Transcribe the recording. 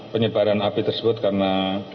kegiatan api tersebut karena